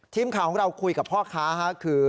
ทีมข่าวของเราคุยกับพ่อค้าคือ